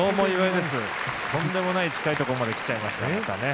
とんでもない近いところまで来ちゃいました。